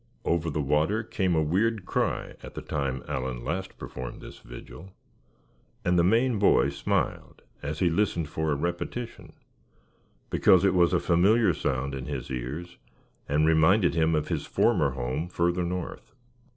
Over the water came a weird cry at the time Allan last performed this vigil; and the Maine boy smiled as he listened for a repetition; because it was a familiar sound in his ears, and reminded him of his former home further north.